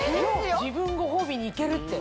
自分ご褒美に行けるって。